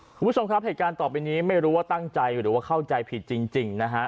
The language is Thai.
คุณผู้ชมครับเหตุการณ์ต่อไปนี้ไม่รู้ว่าตั้งใจหรือว่าเข้าใจผิดจริงนะฮะ